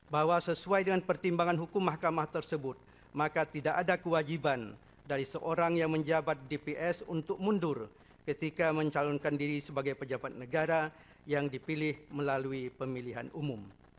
bahwa sesuai dengan pertimbangan hukum mahkamah tersebut maka tidak ada kewajiban dari seorang yang menjabat dps untuk mundur ketika mencalonkan diri sebagai pejabat negara yang dipilih melalui pemilihan umum